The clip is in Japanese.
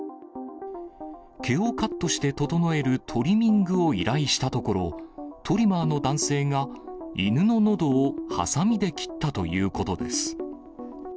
毛をカットして整えるトリミングを依頼したところ、トリマーの男性が、犬ののどをはさみで切ったということです。